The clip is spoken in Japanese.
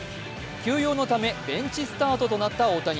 休養のためベンチスタートとなった大谷。